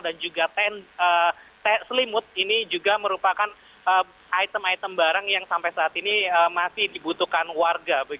dan juga selimut ini juga merupakan item item barang yang sampai saat ini masih dibutuhkan warga